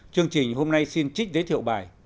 chương trình hôm nay xin trích giới thiệu bài